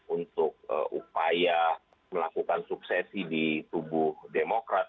untuk upaya melakukan suksesi di tubuh demokrat